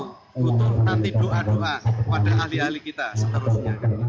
untuk nanti doa doa pada ahli ahli kita seterusnya